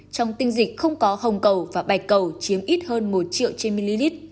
trong tinh dịch không có hồng cầu và bạch cầu chiếm ít hơn một triệu trên ml